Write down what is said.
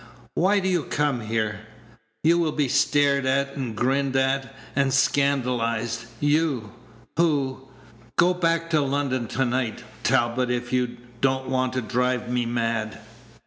Why do you come here? You will be stared at, and grinned at, and scandalized you, who Go back to London to night, Talbot, if you don't want to drive me mad."